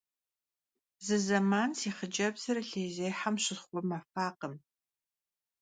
Zı zeman si xhıcebzır lêyzêhem şısxhumefakhım.